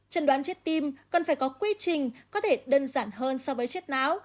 chân đoán chết tim cần phải có quy trình có thể đơn giản hơn so với chết náo